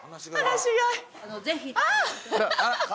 ぜひ。